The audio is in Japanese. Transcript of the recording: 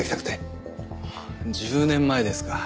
１０年前ですか。